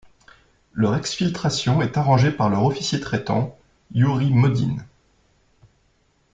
Leur exfiltration est arrangée par leur officier traitant, Youri Modine.